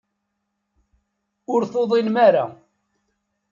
Ur tuḍinem ara.